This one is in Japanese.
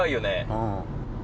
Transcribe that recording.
うん。